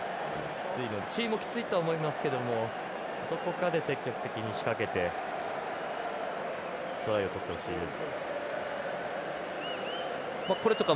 チリもきついと思いますけどどこかで積極的に仕掛けてトライを取ってほしいです。